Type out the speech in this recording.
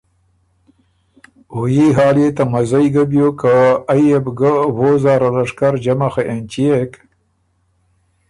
او يي حال يې ته مزئ بیوک که ائ يې بو ګۀ وو زاره لشکر جمع خه اېنچيېک